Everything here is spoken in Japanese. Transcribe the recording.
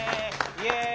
イエイ！